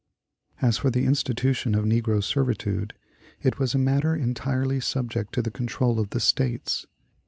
As for the institution of negro servitude, it was a matter entirely subject to the control of the States.